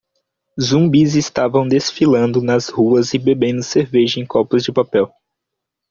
Zumbis estavam desfilando nas ruas e bebendo cerveja em copos de papel.